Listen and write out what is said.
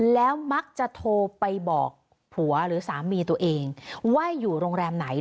แล้วมักจะโทรไปบอกผัวหรือสามีตัวเองว่าอยู่โรงแรมไหน